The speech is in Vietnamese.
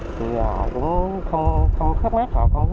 thì họ cũng không khắc mát họ